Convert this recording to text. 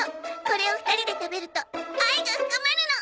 これを２人で食べると愛が深まるの！